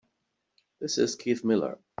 This is Keith Miller.